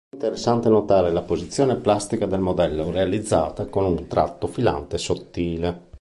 Interessante notare la posizione plastica del modello, realizzata con un tratto filante e sottile.